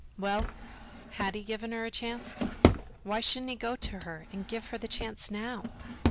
Well, had he given her a chance? Why shouldn't he go to her and give her the chance now?